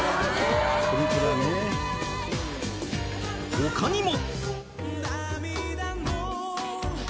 ［他にも］